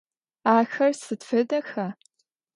Axer sıd fedexa?